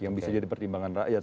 yang bisa jadi pertimbangan rakyat